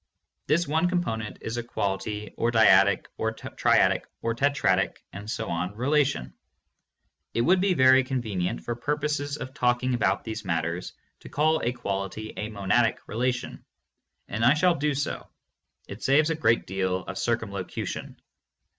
This one component is a quality or dyadic or triadic or tetradic ... relation. It would be very convenient, for purposes of talking about these matters, to call a quality a "monadic relation" and I shall do so ; it saves a great deal of circum locution.